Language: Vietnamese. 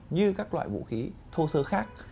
như các loại vũ khí thô sơ khác